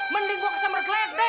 mending gue kesempatan gledek